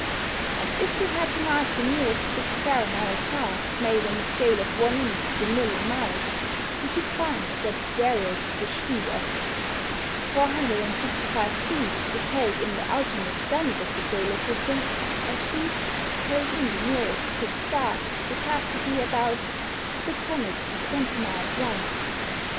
And if we had to mark the nearest fixed star on our chart made on a scale of 1 inch to the million miles, we should find that whereas a sheet of 465 feet would take in the outermost planet of the solar system, a sheet to take in the nearest fixed star would have to be about 620 miles wide.